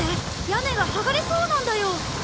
屋根が剥がれそうなんだよ。